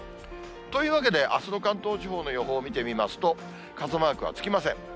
というわけで、あすの関東地方の予報を見てみますと、傘マークはつきません。